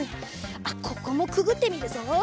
あっここもくぐってみるぞ。